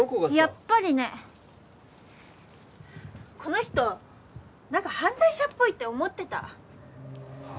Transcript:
やっぱりねこの人何か犯罪者っぽいって思ってたはあ？